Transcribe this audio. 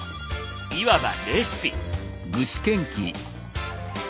いわばレシピ。